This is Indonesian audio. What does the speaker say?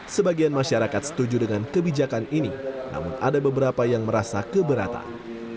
sebagian masyarakat setuju dengan kebijakan ini namun ada beberapa yang merasa keberatan